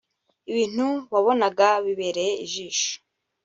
ibintu wabonaga bibereye ijisho